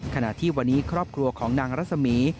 ขณะที่วันนี้ครอบครัวของนางรัศมี